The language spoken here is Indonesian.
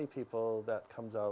untuk membantu anak itu